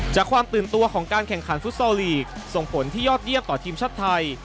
ความตื่นตัวของการแข่งขันฟุตซอลลีกส่งผลที่ยอดเยี่ยมต่อทีมชาติไทย